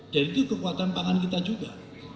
jadi itu kekuatan pangan kita juga